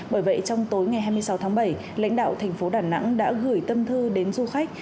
bởi vậy trong tối ngày hai mươi sáu tháng bảy lãnh đạo thành phố đà nẵng đã gửi tâm thư đến du khách